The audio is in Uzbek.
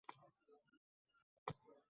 Bilasizmi fojiamiz nimada?